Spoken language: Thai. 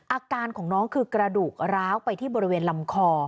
อาการของน้องคือกระดูกร้าวไปที่บริเวณลำคอ